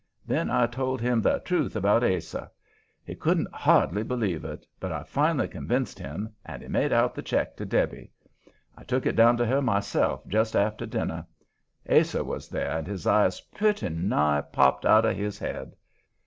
Then I told him the truth about Ase. He couldn't hardly believe it, but I finally convinced him, and he made out the check to Debby. I took it down to her myself just after dinner. Ase was there, and his eyes pretty nigh popped out of his head.